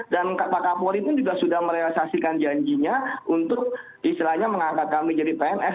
dan pak kapolri itu juga sudah merealisasikan janjinya untuk istilahnya mengangkat kami jadi pns